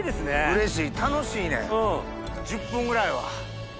うれしい楽しいねん１０分ぐらいは。